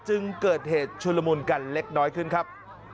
จึงเกิดเหตุชุลมุนกันเล็กน้อยขึ้นครับ